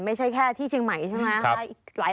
ไม่ใช่แค่ที่เชียงใหม่ใช่ไหม